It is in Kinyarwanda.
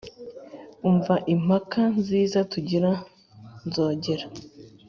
umva impaka nziza tugira nzogera